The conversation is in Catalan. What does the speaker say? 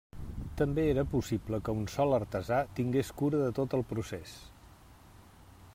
També era possible que un sol artesà tingués cura de tot el procés.